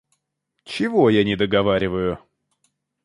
Чего я не договариваю?